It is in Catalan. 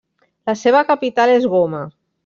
La seva capital és Goma.